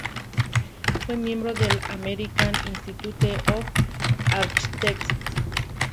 Fue miembro del American Institute of Architects.